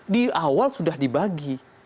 di awal sudah dibagi